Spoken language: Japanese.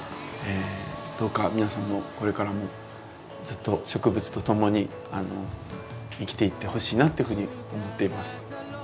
えどうか皆さんもこれからもずっと植物とともに生きていってほしいなっていうふうに思っています。